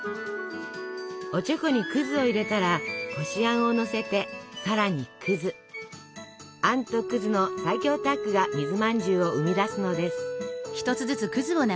おちょこにを入れたらこしあんをのせてあんとの最強タッグが水まんじゅうを生み出すのです。